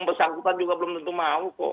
bersangkutan juga belum tentu mau kok